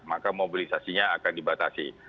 maka mobilisasinya akan dibatasi